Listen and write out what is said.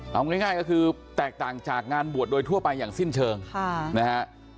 เอาง่ายก็คือแตกต่างจากงานบวชโดยทั่วไปอย่างสิ้นเชิงนะฮะ